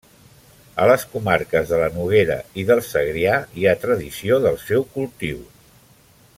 A les comarques de la Noguera i del Segrià hi ha tradició del seu cultiu.